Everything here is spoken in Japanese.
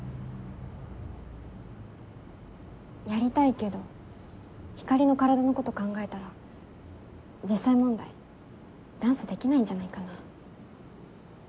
やりたいけどひかりの体のこと考えたら実際問題ダンスできないんじゃないかな。